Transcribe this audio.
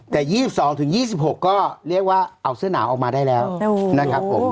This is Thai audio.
แต่๒๒๒๖ก็เรียกว่าเอาเสื้อหนาวออกมาได้แล้วนะครับผม